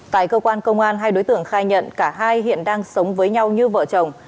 tại cơ quan công an hai đối tượng khai nhận cả hai hiện đang sống với nhau như vợ chồng